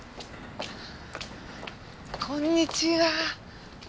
こんにちは。